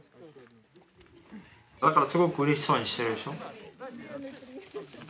だからすごくうれしそうにしてるでしょ。